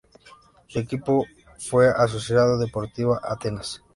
Su último equipo fue Asociación Deportiva Atenas.